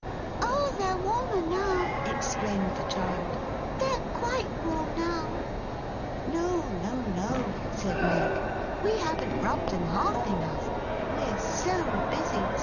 'Oh, they're warmer now!' exclaimed the child. 'They're quite warm now!' 'No, no, no,' said Meg. 'We haven't rubbed 'em half enough. We're so busy.